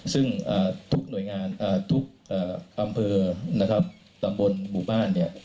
ซึ่งทุกหน่วยงานทุกอำเภอนะครับตำบลหมู่บ้านเนี่ย